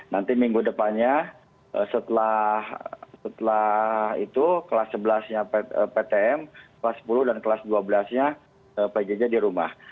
nanti minggu depannya setelah itu kelas sebelas nya ptm kelas sepuluh dan kelas dua belas nya pjj di rumah